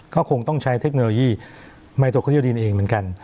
ก็คงต้องใช้เทคโนโลยีไมโตโคโยดินเองเหมือนกัน